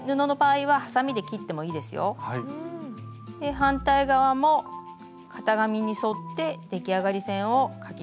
反対側も型紙に沿って出来上がり線を描きます。